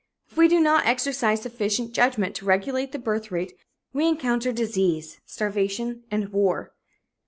If we do not exercise sufficient judgment to regulate the birth rate, we encounter disease, starvation and war.